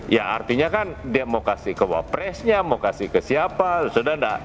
ya artinya kan dia mau kasih ke wapresnya mau kasih ke siapa sudah tidak